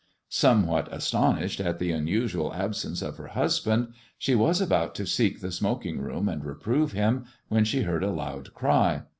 Somewhat astonished at the imusual absence of her husband, she was about to seek the smoking room and reprove him when she heard a loud cry.